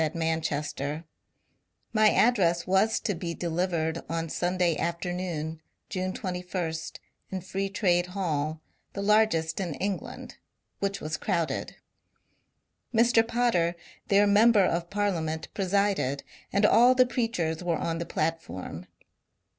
THE MASON INCIDENT 421 address was to be delivered on Sunday afternoon, June 21,* in Free Trade Hall, the largest in England, which was crowded. Mr. Potter, their member of Parliament, presided, and all the preachers were on the platform.